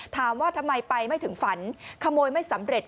ถามว่าทำไมไปไม่ถึงฝันขโมยไม่สำเร็จ